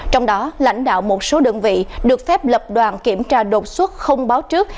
trong đó lãnh đạo một số đơn vị được phép lập đoàn kiểm tra đột xuất không báo trước